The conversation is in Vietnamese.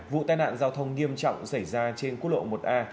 vụ tai nạn giao thông nghiêm trọng xảy ra trên quốc lộ một a